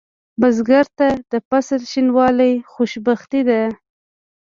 بزګر ته د فصل شینوالی خوشبختي ده